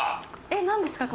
えっなんですか？